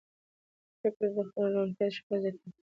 د پرېکړو روڼتیا شفافیت زیاتوي